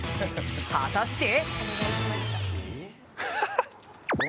果たして。